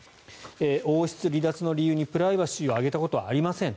王室離脱の理由にプライバシーを挙げたことはありません